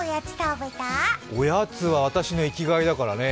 おやつは私の生きがいだからね。